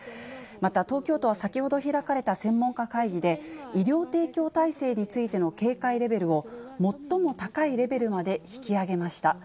また、東京都は先ほど開かれた専門家会議で、医療提供体制についての警戒レベルを、最も高いレベルまで引き上げました。